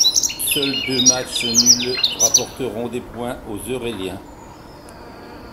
Seuls deux matchs nuls rapporteront des points aux Euréliens.